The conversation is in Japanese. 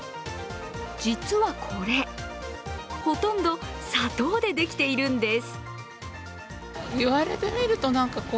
実はこれ、ほとんど砂糖でできているんです。